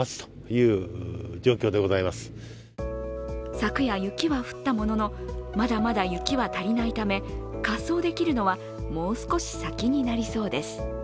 昨夜、雪は降ったもののまだまだ雪は足りないため滑走できるのは、もう少し先になりそうです。